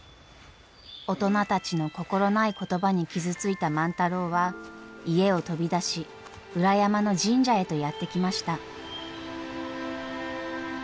大人たちの心ない言葉に傷ついた万太郎は家を飛び出し裏山の神社へとやって来ました。